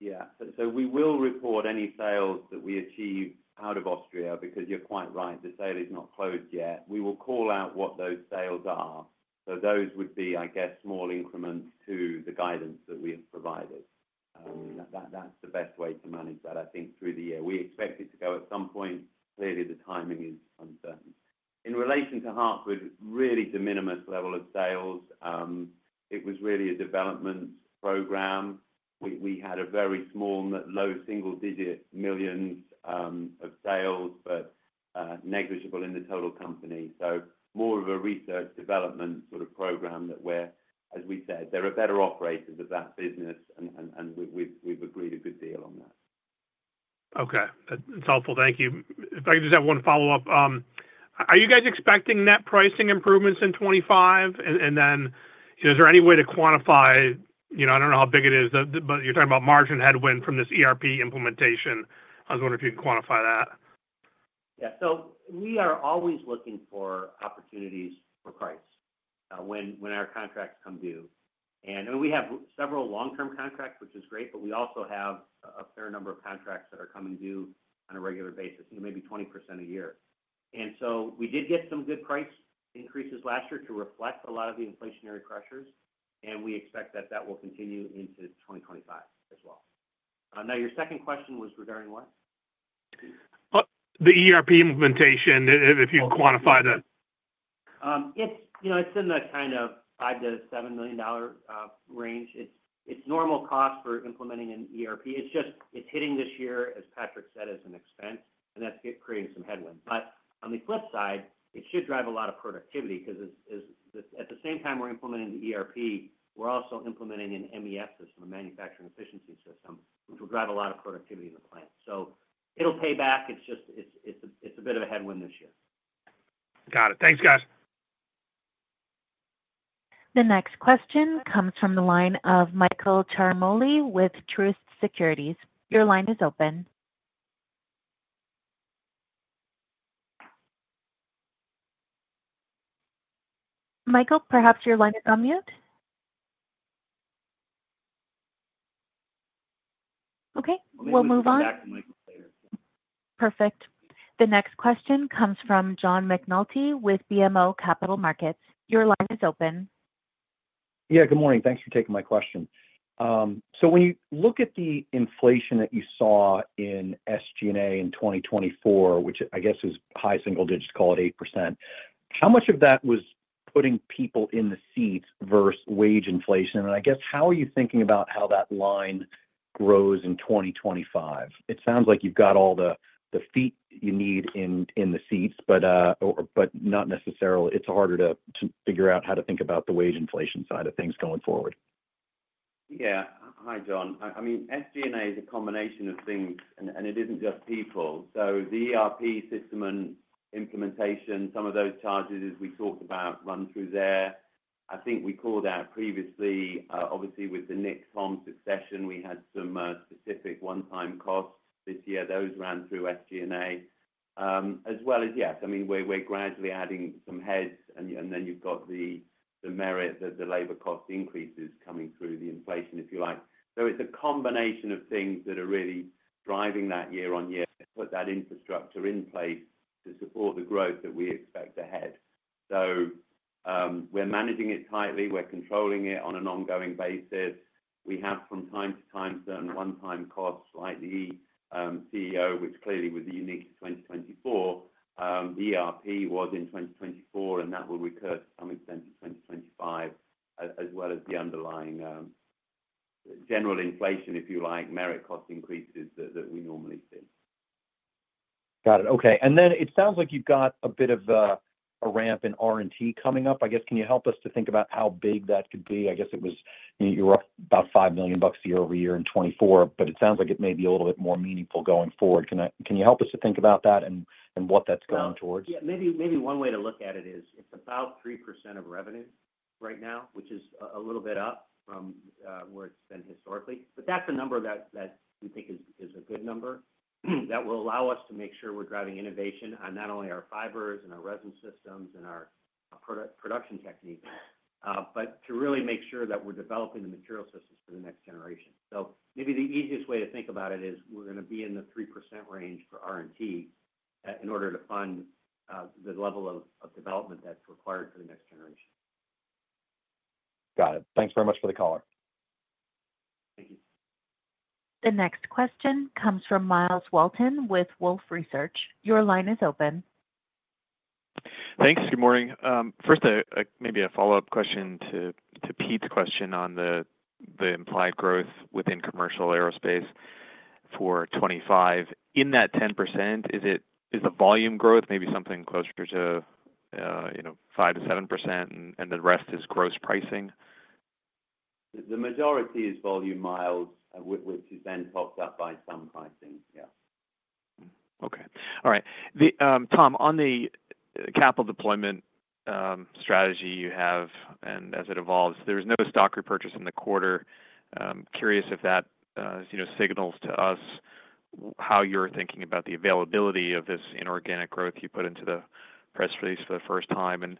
Yeah. So we will report any sales that we achieve out of Austria because you're quite right. The sale is not closed yet. We will call out what those sales are. So those would be, I guess, small increments to the guidance that we have provided. That's the best way to manage that, I think, through the year. We expect it to go at some point. Clearly, the timing is uncertain. In relation to Hartford, really the minimal level of sales. It was really a development program. We had a very small, low single-digit millions of sales, but negligible in the total company. So more of a research development sort of program that we're, as we said, they're a better operator of that business, and we've agreed a good deal on that. Okay. That's helpful. Thank you. If I could just have one follow-up. Are you guys expecting net pricing improvements in 2025? And then is there any way to quantify? I don't know how big it is, but you're talking about margin headwind from this ERP implementation. I was wondering if you could quantify that. Yeah. So we are always looking for opportunities for price when our contracts come due. And we have several long-term contracts, which is great, but we also have a fair number of contracts that are coming due on a regular basis, maybe 20% a year. And so we did get some good price increases last year to reflect a lot of the inflationary pressures, and we expect that that will continue into 2025 as well. Now, your second question was regarding what? The ERP implementation, if you can quantify the. It's in the kind of $5-$7 million range. It's normal cost for implementing an ERP. It's hitting this year, as Patrick said, as an expense, and that's creating some headwinds. But on the flip side, it should drive a lot of productivity because at the same time we're implementing the ERP, we're also implementing an MES system, a manufacturing efficiency system, which will drive a lot of productivity in the plant. So it'll pay back. It's a bit of a headwind this year. Got it. Thanks, guys. The next question comes from the line of Michael Ciarmoli with Truist Securities. Your line is open. Michael, perhaps your line is on mute. Okay. We'll move on. Perfect. The next question comes from John McNulty with BMO Capital Markets. Your line is open. Yeah. Good morning. Thanks for taking my question. So when you look at the inflation that you saw in SG&A in 2024, which I guess is high single digits, call it 8%, how much of that was putting people in the seats versus wage inflation? And I guess, how are you thinking about how that line grows in 2025? It sounds like you've got all the feet you need in the seats, but not necessarily. It's harder to figure out how to think about the wage inflation side of things going forward. Yeah. Hi, John. I mean, SG&A is a combination of things, and it isn't just people. So the ERP system and implementation, some of those charges, as we talked about, run through there. I think we called out previously, obviously with the Nick Stanage succession, we had some specific one-time costs this year. Those ran through SG&A, as well as, yes, I mean, we're gradually adding some heads, and then you've got the merit that the labor cost increases coming through the inflation, if you like. So it's a combination of things that are really driving that year on year. Put that infrastructure in place to support the growth that we expect ahead. So we're managing it tightly. We're controlling it on an ongoing basis. We have, from time to time, certain one-time costs like the CEO, which clearly was unique to 2024. The ERP was in 2024, and that will recur to some extent in 2025, as well as the underlying general inflation, if you like, merit cost increases that we normally see. Got it. Okay. And then it sounds like you've got a bit of a ramp in R&T coming up. I guess, can you help us to think about how big that could be? I guess it was you were up about $5 million year over year in 2024, but it sounds like it may be a little bit more meaningful going forward. Can you help us to think about that and what that's going towards? Yeah. Maybe one way to look at it is it's about 3% of revenue right now, which is a little bit up from where it's been historically. But that's a number that we think is a good number that will allow us to make sure we're driving innovation on not only our fibers and our resin systems and our production techniques, but to really make sure that we're developing the material systems for the next generation. So maybe the easiest way to think about it is we're going to be in the 3% range for R&T in order to fund the level of development that's required for the next generation. Got it. Thanks very much for the caller. Thank you. The next question comes from Myles Walton with Wolfe Research. Your line is open. Thanks. Good morning. First, maybe a follow-up question to Pete's question on the implied growth within commercial aerospace for 2025. In that 10%, is the volume growth maybe something closer to 5%-7%, and the rest is gross pricing? The majority is volume, Miles, which is then topped up by some pricing. Yeah. Okay. All right. Tom, on the capital deployment strategy you have and as it evolves, there was no stock repurchase in the quarter. Curious if that signals to us how you're thinking about the availability of this inorganic growth you put into the press release for the first time. And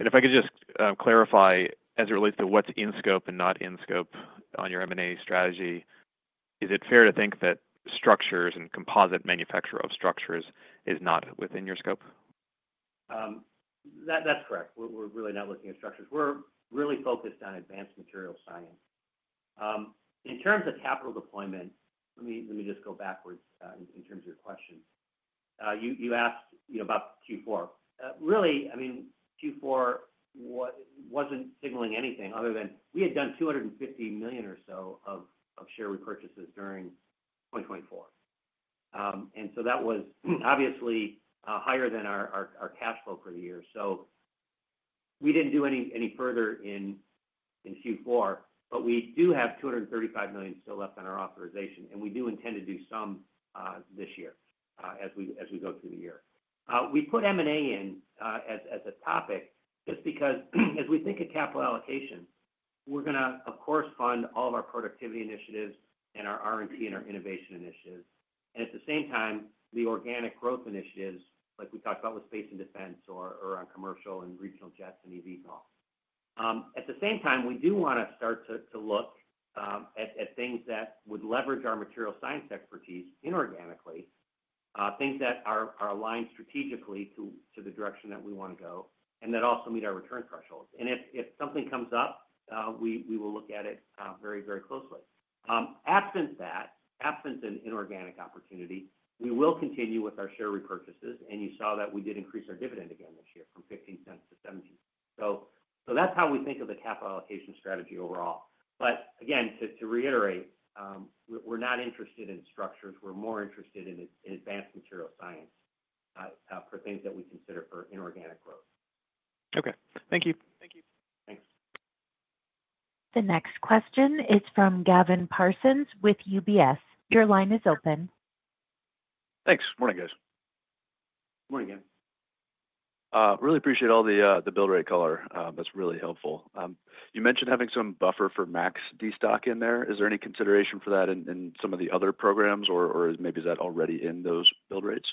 if I could just clarify, as it relates to what's in scope and not in scope on your M&A strategy, is it fair to think that structures and composite manufacturer of structures is not within your scope? That's correct. We're really not looking at structures. We're really focused on advanced material science. In terms of capital deployment, let me just go backwards in terms of your question. You asked about Q4. Really, I mean, Q4 wasn't signaling anything other than we had done $250 million or so of share repurchases during 2024. And so that was obviously higher than our cash flow for the year. So we didn't do any further in Q4, but we do have $235 million still left on our authorization, and we do intend to do some this year as we go through the year. We put M&A in as a topic just because, as we think of capital allocation, we're going to, of course, fund all of our productivity initiatives and our R&T and our innovation initiatives. And at the same time, the organic growth initiatives, like we talked about with space and defense or on commercial and regional jets and EVs and all. At the same time, we do want to start to look at things that would leverage our material science expertise inorganically, things that are aligned strategically to the direction that we want to go, and that also meet our return thresholds. And if something comes up, we will look at it very, very closely. Absent that, absent an inorganic opportunity, we will continue with our share repurchases, and you saw that we did increase our dividend again this year from $0.15-$0.17. So that's how we think of the capital allocation strategy overall. But again, to reiterate, we're not interested in structures. We're more interested in advanced material science for things that we consider for inorganic growth. Okay. Thank you. Thank you. Thanks. The next question is from Gavin Parsons with UBS. Your line is open. Thanks. Morning, guys. Morning, guys. Really appreciate all the build rate color. That's really helpful. You mentioned having some buffer for MAX destock in there. Is there any consideration for that in some of the other programs, or maybe is that already in those build rates?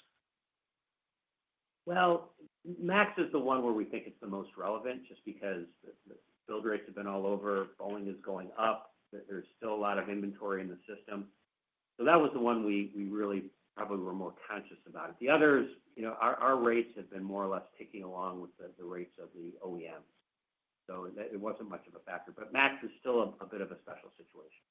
MAX is the one where we think it's the most relevant just because the build rates have been all over. Boeing is going up. There's still a lot of inventory in the system. So that was the one we really probably were more conscious about. The others, our rates have been more or less ticking along with the rates of the OEMs. So it wasn't much of a factor. But MAX is still a bit of a special situation.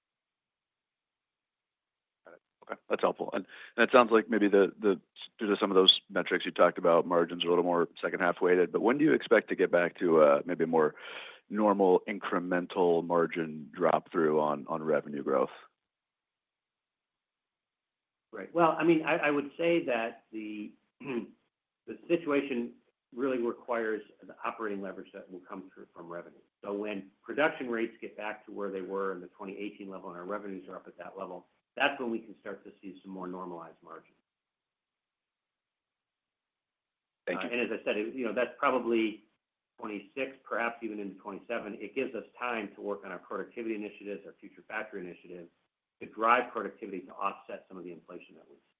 Got it. Okay. That's helpful. And it sounds like maybe due to some of those metrics you talked about, margins are a little more second-half weighted. But when do you expect to get back to maybe a more normal incremental margin drop-through on revenue growth? Right. Well, I mean, I would say that the situation really requires the operating leverage that will come through from revenue. So when production rates get back to where they were in the 2018 level and our revenues are up at that level, that's when we can start to see some more normalized margins. And as I said, that's probably 2026, perhaps even into 2027. It gives us time to work on our productivity initiatives, our Future Factory initiatives, to drive productivity to offset some of the inflation that we see.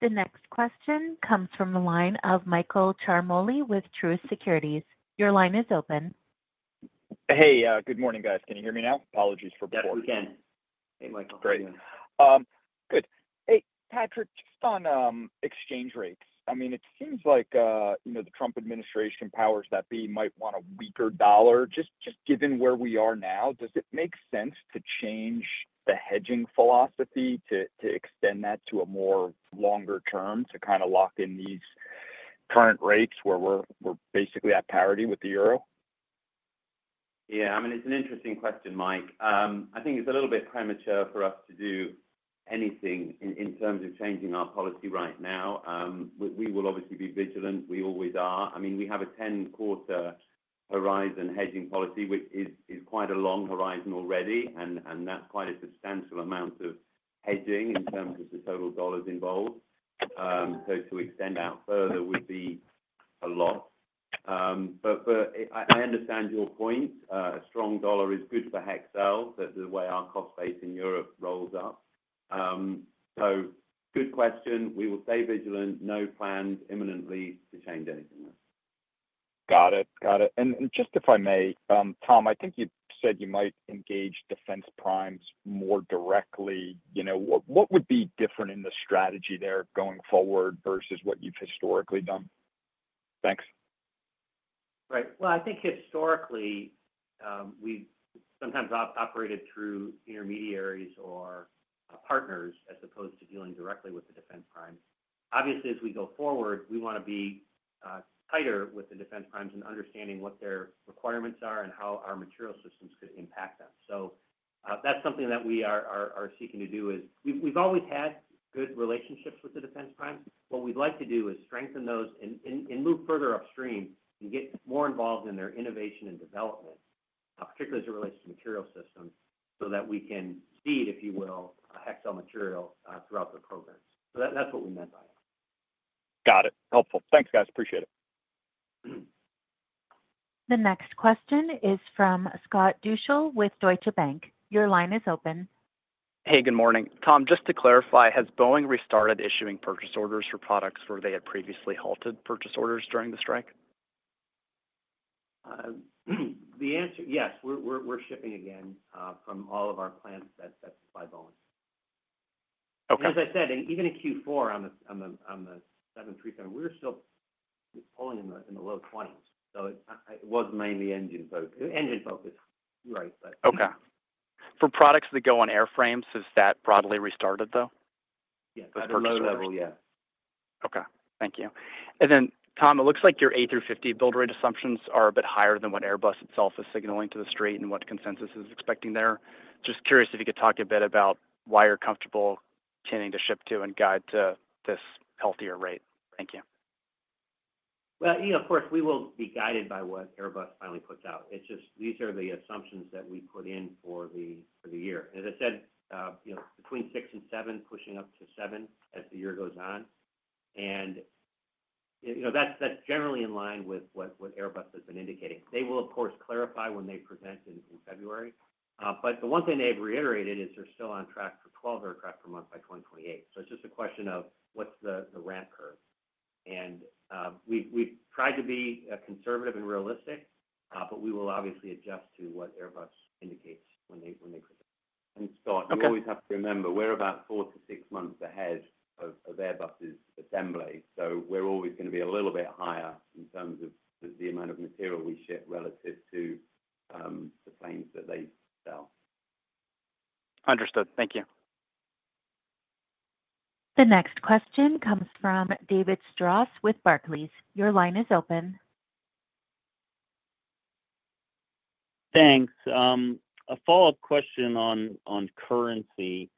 The next question comes from the line of Michael Ciarmoli with Truist Securities. Your line is open. Hey. Good morning, guys. Can you hear me now? Apologies for the poor. Yes, we can. Hey, Michael. Great. Good. Hey, Patrick, just on exchange rates. I mean, it seems like the Trump administration, powers that be, might want a weaker dollar. Just given where we are now, does it make sense to change the hedging philosophy to extend that to a more longer term to kind of lock in these current rates where we're basically at parity with the euro? Yeah. I mean, it's an interesting question, Mike. I think it's a little bit premature for us to do anything in terms of changing our policy right now. We will obviously be vigilant. We always are. I mean, we have a 10-quarter horizon hedging policy, which is quite a long horizon already, and that's quite a substantial amount of hedging in terms of the total dollars involved. So to extend out further would be a lot. But I understand your point. A strong dollar is good for Hexcel, the way our cost base in Europe rolls up. So good question. We will stay vigilant. No plans imminently to change anything there. Got it. Got it. And just if I may, Tom, I think you said you might engage defense primes more directly. What would be different in the strategy there going forward versus what you've historically done? Thanks. Right. Well, I think historically, we've sometimes operated through intermediaries or partners as opposed to dealing directly with the defense primes. Obviously, as we go forward, we want to be tighter with the defense primes and understanding what their requirements are and how our material systems could impact them. So that's something that we are seeking to do is we've always had good relationships with the defense primes. What we'd like to do is strengthen those and move further upstream and get more involved in their innovation and development, particularly as it relates to material systems, so that we can feed, if you will, Hexcel material throughout the program. So that's what we meant by it. Got it. Helpful. Thanks, guys. Appreciate it. The next question is from Scott Deuschle with Deutsche Bank. Your line is open. Hey, good morning. Tom, just to clarify, has Boeing restarted issuing purchase orders for products where they had previously halted purchase orders during the strike? Yes. We're shipping again from all of our plants that supply Boeing. As I said, even in Q4 on the 737, we were still pulling in the low 20s. So it was mainly engine focus. Engine focus, right, but. Okay. For products that go on airframes, has that broadly restarted, though? Yes. At a low level, yes. Okay. Thank you. And then, Tom, it looks like your A350 build rate assumptions are a bit higher than what Airbus itself is signaling to the street and what consensus is expecting there. Just curious if you could talk a bit about why you're comfortable tending to shipset to and guide to this healthier rate. Thank you. Of course, we will be guided by what Airbus finally puts out. It's just these are the assumptions that we put in for the year. As I said, between six and seven, pushing up to seven as the year goes on. That's generally in line with what Airbus has been indicating. They will, of course, clarify when they present in February. The one thing they've reiterated is they're still on track for 12 aircraft per month by 2028. It's just a question of what's the ramp curve. We've tried to be conservative and realistic, but we will obviously adjust to what Airbus indicates when they present. And Scott, you always have to remember we're about four to six months ahead of Airbus's assembly. So we're always going to be a little bit higher in terms of the amount of material we ship relative to the planes that they sell. Understood. Thank you. The next question comes from David Strauss with Barclays. Your line is open. Thanks. A follow-up question on currency.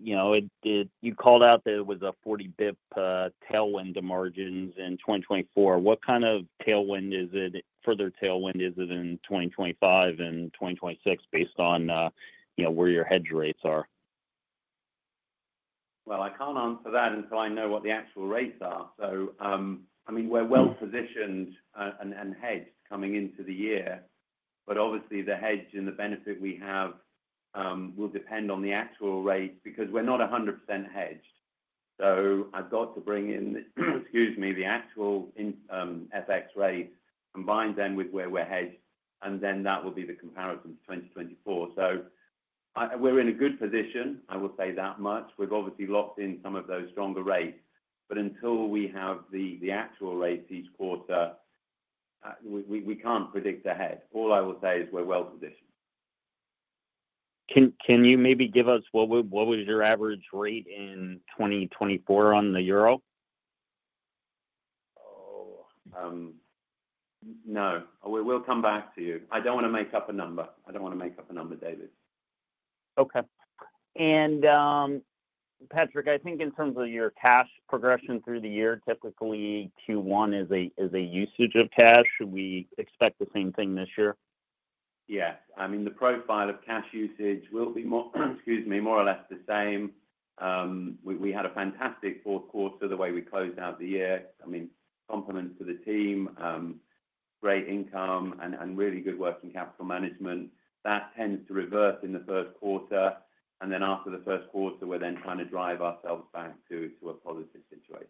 You called out that it was a 40 basis point tailwind to margins in 2024. What kind of tailwind is it? Further tailwind is it in 2025 and 2026 based on where your hedge rates are? Well, I can't answer that until I know what the actual rates are. So I mean, we're well-positioned and hedged coming into the year. But obviously, the hedge and the benefit we have will depend on the actual rates because we're not 100% hedged. So I've got to bring in, excuse me, the actual FX rate combined then with where we're hedged, and then that will be the comparison to 2024. So we're in a good position, I will say that much. We've obviously locked in some of those stronger rates. But until we have the actual rates each quarter, we can't predict ahead. All I will say is we're well-positioned. Can you maybe give us what was your average rate in 2024 on the euro? Oh. No. We'll come back to you. I don't want to make up a number. I don't want to make up a number, David. Okay. And Patrick, I think in terms of your cash progression through the year, typically Q1 is a usage of cash. We expect the same thing this year. Yes. I mean, the profile of cash usage will be, excuse me, more or less the same. We had a fantastic fourth quarter the way we closed out the year. I mean, compliments to the team, great income, and really good working capital management. That tends to revert in the first quarter, and then after the first quarter, we're then trying to drive ourselves back to a positive situation.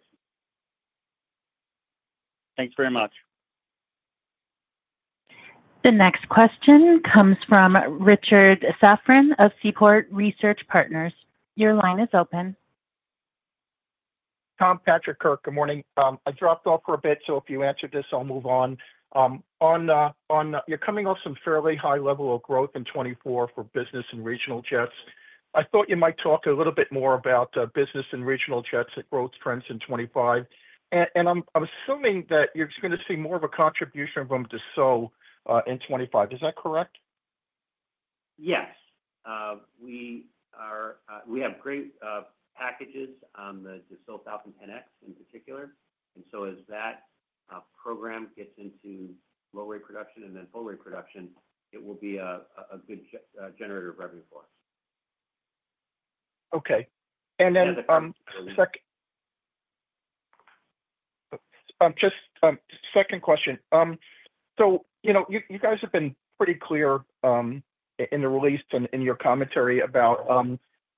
Thanks very much. The next question comes from Richard Safran of Seaport Research Partners. Your line is open. Tom, Patrick, Kurt, good morning. I dropped off for a bit, so if you answer this, I'll move on. You're coming off some fairly high level of growth in 2024 for business and regional jets. I thought you might talk a little bit more about business and regional jets and growth trends in 2025. And I'm assuming that you're going to see more of a contribution from Dassault in 2025. Is that correct? Yes. We have great packages on the Falcon 10X in particular. And so as that program gets into low-rate production and then full-rate production, it will be a good generator of revenue for us. Okay. And then second. Second question. So you guys have been pretty clear in the release and in your commentary about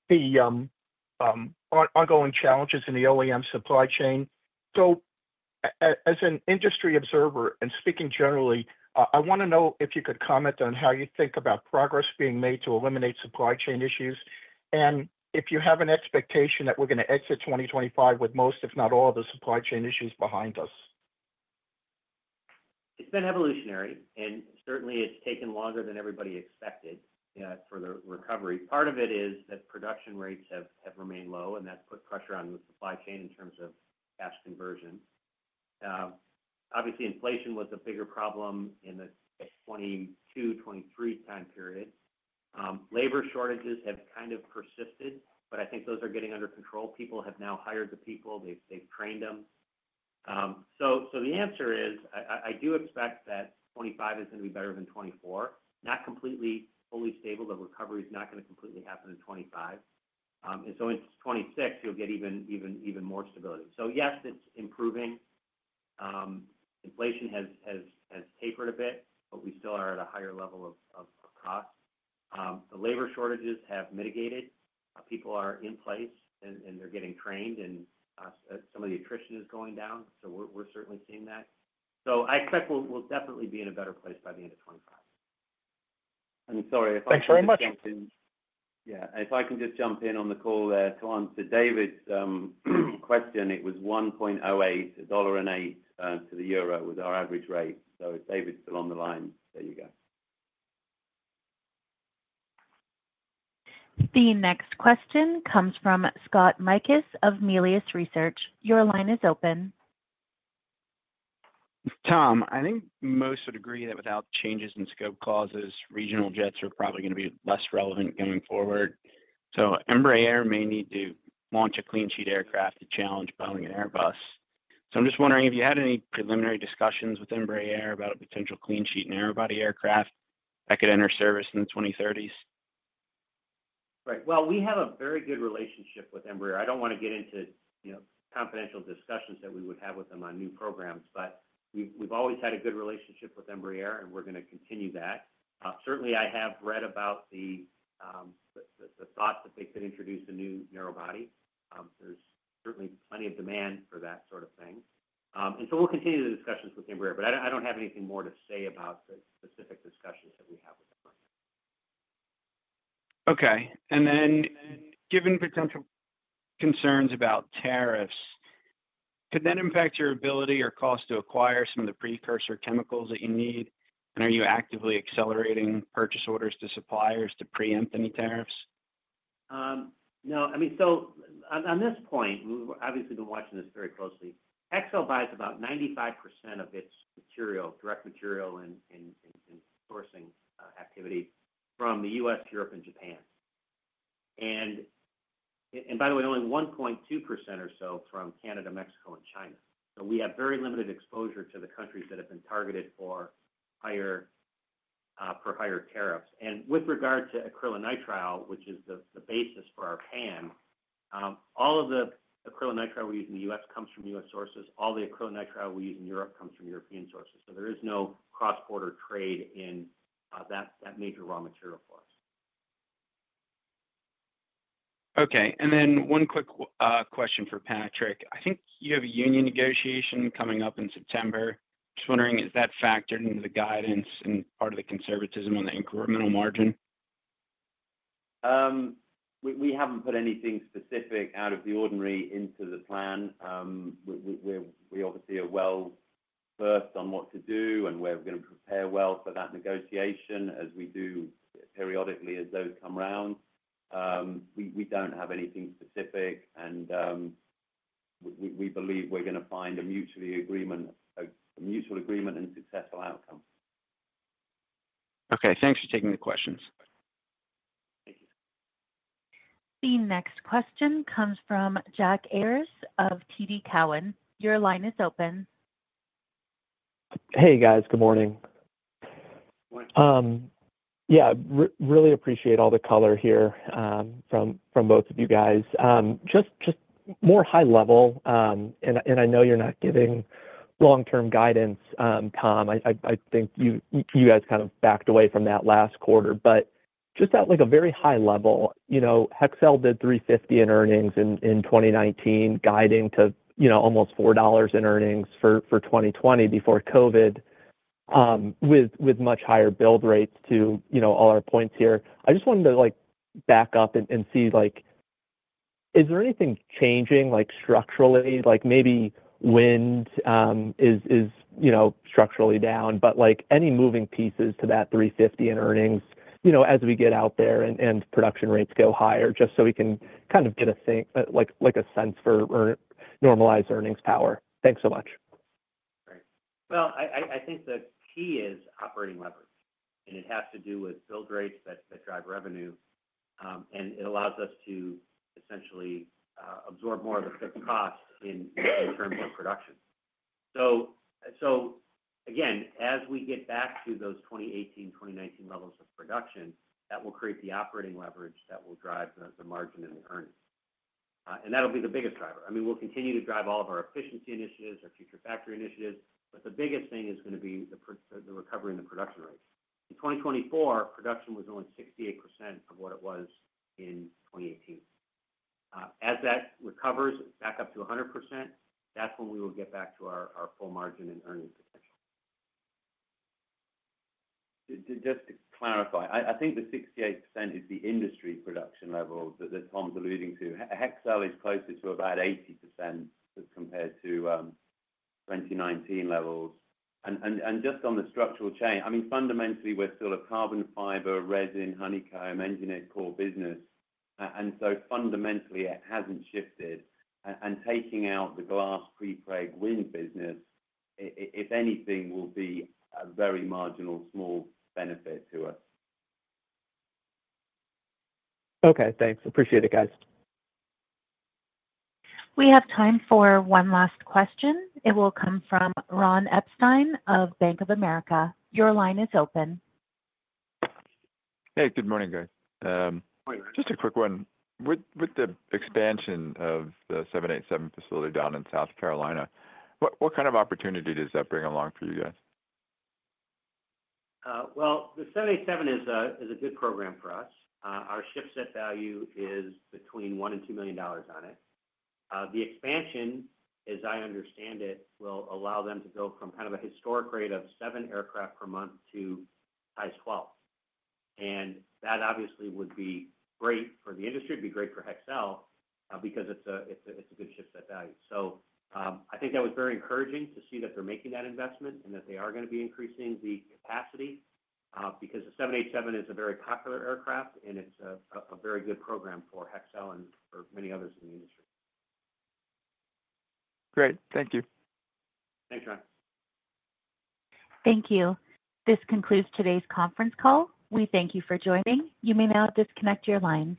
the ongoing challenges in the OEM supply chain. So as an industry observer and speaking generally, I want to know if you could comment on how you think about progress being made to eliminate supply chain issues and if you have an expectation that we're going to exit 2025 with most, if not all, of the supply chain issues behind us. It's been evolutionary, and certainly it's taken longer than everybody expected for the recovery. Part of it is that production rates have remained low, and that's put pressure on the supply chain in terms of cash conversion. Obviously, inflation was a bigger problem in the 2022, 2023 time period. Labor shortages have kind of persisted, but I think those are getting under control. People have now hired the people. They've trained them. So the answer is I do expect that 2025 is going to be better than 2024. Not completely fully stable. The recovery is not going to completely happen in 2025. And so in 2026, you'll get even more stability. So yes, it's improving. Inflation has tapered a bit, but we still are at a higher level of cost. The labor shortages have mitigated. People are in place, and they're getting trained, and some of the attrition is going down. So we're certainly seeing that. So I expect we'll definitely be in a better place by the end of 2025. And sorry, if I can. Thanks very much. Yeah. If I can just jump in on the call there, to answer David's question, it was $1.08, a dollar and eight to the euro with our average rate. So if David's still on the line, there you go. The next question comes from Scott Mikus of Melius Research. Your line is open. Tom, I think most would agree that without changes in scope clauses, regional jets are probably going to be less relevant going forward. So Embraer may need to launch a clean sheet aircraft to challenge Boeing and Airbus. So I'm just wondering if you had any preliminary discussions with Embraer about a potential clean sheet narrowbody aircraft that could enter service in the 2030s? Right. Well, we have a very good relationship with Embraer. I don't want to get into confidential discussions that we would have with them on new programs, but we've always had a good relationship with Embraer, and we're going to continue that. Certainly, I have read about the thought that they could introduce a new narrowbody. There's certainly plenty of demand for that sort of thing. And so we'll continue the discussions with Embraer, but I don't have anything more to say about the specific discussions that we have with them. Okay. And then given potential concerns about tariffs, could that impact your ability or cost to acquire some of the precursor chemicals that you need? Are you actively accelerating purchase orders to suppliers to preempt any tariffs? No. I mean, so on this point, we've obviously been watching this very closely. Hexcel buys about 95% of its direct material and sourcing activity from the U.S., Europe, and Japan. And by the way, only 1.2% or so from Canada, Mexico, and China. So we have very limited exposure to the countries that have been targeted for higher tariffs. And with regard to acrylonitrile, which is the basis for our PAN, all of the acrylonitrile we use in the U.S. comes from U.S. sources. All the acrylonitrile we use in Europe comes from European sources. So there is no cross-border trade in that major raw material for us. Okay. Then one quick question for Patrick. I think you have a union negotiation coming up in September. Just wondering, is that factored into the guidance and part of the conservatism on the incremental margin? We haven't put anything specific out of the ordinary into the plan. We obviously are well-versed on what to do, and we're going to prepare well for that negotiation as we do periodically as those come round. We don't have anything specific, and we believe we're going to find a mutual agreement and successful outcome. Okay. Thanks for taking the questions. Thank you. The next question comes from Jack Ayers of TD Cowen. Your line is open. Hey, guys. Good morning. Yeah. Really appreciate all the color here from both of you guys. Just more high level, and I know you're not giving long-term guidance, Tom. I think you guys kind of backed away from that last quarter. But just at a very high level, Hexcel did $3.50 in earnings in 2019, guiding to almost $4 in earnings for 2020 before COVID with much higher build rates to all our points here. I just wanted to back up and see, is there anything changing structurally? Maybe wind is structurally down, but any moving pieces to that $3.50 in earnings as we get out there and production rates go higher just so we can kind of get a sense for normalized earnings power. Thanks so much. Right. Well, I think the key is operating leverage. And it has to do with build rates that drive revenue. And it allows us to essentially absorb more of the fixed cost in terms of production. So again, as we get back to those 2018, 2019 levels of production, that will create the operating leverage that will drive the margin and the earnings. That'll be the biggest driver. I mean, we'll continue to drive all of our efficiency initiatives, our Future Factory initiatives, but the biggest thing is going to be the recovery in the production rates. In 2024, production was only 68% of what it was in 2018. As that recovers back up to 100%, that's when we will get back to our full margin and earnings potential. Just to clarify, I think the 68% is the industry production level that Tom's alluding to. Hexcel is closer to about 80% as compared to 2019 levels. Just on the supply chain, I mean, fundamentally, we're still a carbon fiber, resin, honeycomb, engineered core business. So fundamentally, it hasn't shifted. Taking out the glass prepreg wind business, if anything, will be a very marginal, small benefit to us. Okay. Thanks. Appreciate it, guys. We have time for one last question. It will come from Ron Epstein of Bank of America. Your line is open. Hey, good morning, guys. Just a quick one. With the expansion of the 787 facility down in South Carolina, what kind of opportunity does that bring along for you guys? The 787 is a good program for us. Our shipset value is between $1 million and $2 million on it. The expansion, as I understand it, will allow them to go from kind of a historic rate of seven aircraft per month to 12. And that obviously would be great for the industry. It'd be great for Hexcel because it's a good shipset value. So I think that was very encouraging to see that they're making that investment and that they are going to be increasing the capacity because the 787 is a very popular aircraft, and it's a very good program for Hexcel and for many others in the industry. Great. Thank you. Thanks, John. Thank you. This concludes today's conference call. We thank you for joining. You may now disconnect your lines.